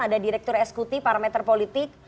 ada direktur eskuti parameter politik